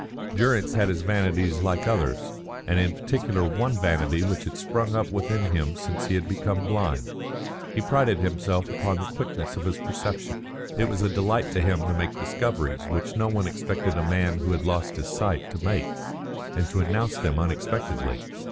Durrance had his vanities like others; and in particular one vanity which had sprung up within him since he had become blind. He prided himself upon the quickness of his perception. It was a delight to him to make discoveries which no one expected a man who had lost his sight to make, and to announce them unexpectedly.